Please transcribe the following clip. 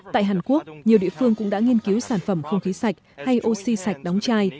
tại hàn quốc nhiều địa phương cũng đã nghiên cứu sản phẩm không khí sạch hay oxy sạch đóng chai